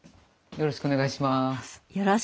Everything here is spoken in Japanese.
よろしくお願いします。